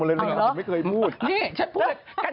ดีเหรอดีกว่า